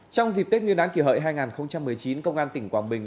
trong dịp tết nguyên đán kỷ hợi hai nghìn một mươi chín công an tỉnh quảng bình